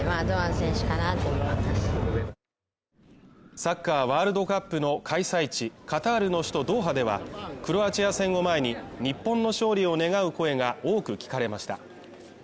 サッカーワールドカップの開催地カタールの首都ドーハではクロアチア戦を前に日本の勝利を願う声が多く聞かれました